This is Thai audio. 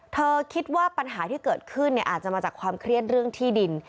เธอคิดว่าปัญหาที่เกิดขึ้นอาจจะมาจากความเครียดเรื่องที่ดิน